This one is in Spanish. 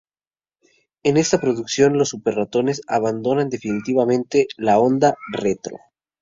En esta producción, los Super Ratones abandonan definitivamente la onda "retro".